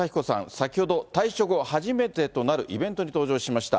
先ほど、退所後初めてとなるイベントに登場しました。